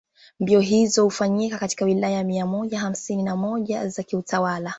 Mbio izo ufanyika katika Wilaya mia moja hamsini na moja za kiutawala